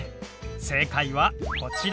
正解はこちら。